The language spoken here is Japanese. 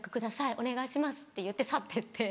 お願いします」って言って去ってって。